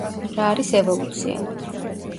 რა არის ევოლუცია?